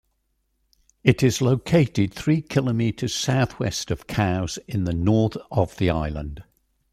It is located three kilometres southwest of Cowes in the north of the island.